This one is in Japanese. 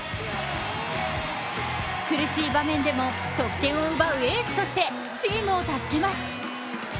苦しい場面でも得点を奪うエースとしてチームを助けます。